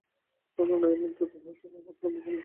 না না, এ নামটাতে হয়তো-বা তোমার বদনাম হল।